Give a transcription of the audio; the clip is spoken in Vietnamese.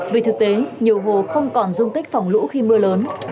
vì thực tế nhiều hồ không còn dung tích phòng lũ khi mưa lớn